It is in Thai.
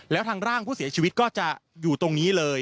แล้วทางร่างผู้เสียชีวิตก็จะอยู่ตรงนี้เลย